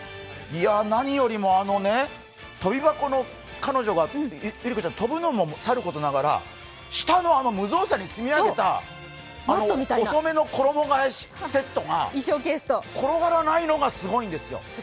何よりも跳び箱、彼女が跳ぶのもさることながら下の無造作に積み上げた細めの衣替えセットが転がらないのがすごいんですよ。